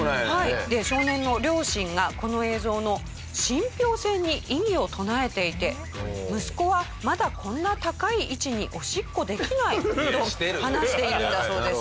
少年の両親がこの映像の信憑性に異議を唱えていて「息子はまだこんな高い位置におしっこできない」と話しているんだそうです。